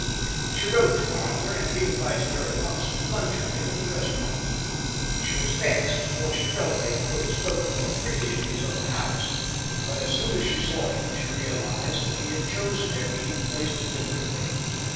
She wrote to Arthur, and he invited her at once to lunch with him at a restaurant. She was vexed, for she felt they could have spoken more freely in his own house; but as soon as she saw him, she realized that he had chosen their meeting place deliberately.